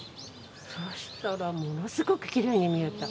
そうしたら物すごくきれいに見えた。